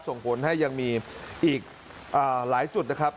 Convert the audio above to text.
ส่งผลให้ยังมีอีกหลายจุดนะครับ